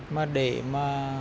mà để mà